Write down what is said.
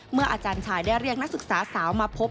อาจารย์ชายได้เรียกนักศึกษาสาวมาพบ